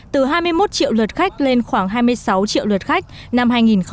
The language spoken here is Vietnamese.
từ hai mươi một triệu lượt khách lên khoảng hai mươi sáu triệu lượt khách năm hai nghìn hai mươi